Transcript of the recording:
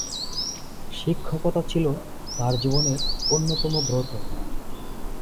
শিক্ষকতা ছিল তাঁর জীবনের অন্যতম ব্রত।